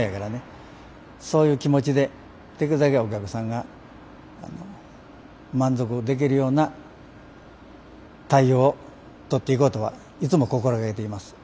そういう気持ちでできるだけお客さんが満足できるような対応をとっていこうとはいつも心掛けています。